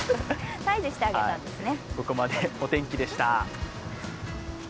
退治してあげたんですね。